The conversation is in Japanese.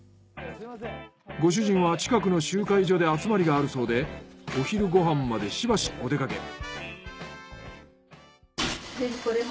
ご主人は近くの集会所で集まりがあるそうでお昼ご飯までしばしお出かけ。